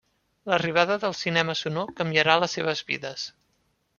L'arribada del cinema sonor canviarà les seves vides.